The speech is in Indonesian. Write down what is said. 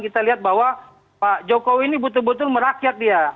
kita lihat bahwa pak jokowi ini betul betul merakyat dia